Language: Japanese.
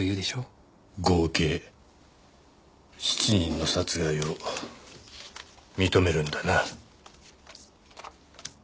合計７人の殺害を認めるんだな？